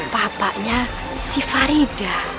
papanya si farida